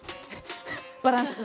バランス。